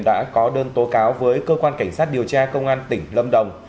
đã có đơn tố cáo với cơ quan cảnh sát điều tra công an tỉnh lâm đồng